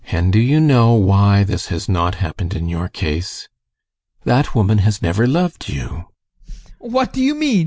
And do you know why this has not happened in your case? That woman has never loved you. ADOLPH. What do you mean?